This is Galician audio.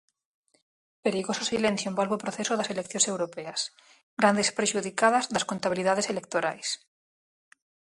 Perigoso silencio envolve o proceso das Eleccións Europeas, grandes prexudicadas das contabilidades electorais.